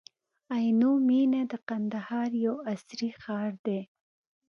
عینو مېنه د کندهار یو عصري ښار دی.